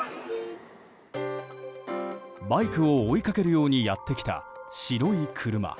バイクを追いかけるようにやってきた白い車。